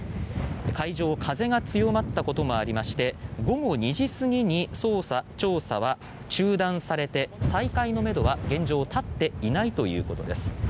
海上は風が強まったこともあり午後２時過ぎに捜査、調査は中断されて再開のめどは、現状立っていないということです。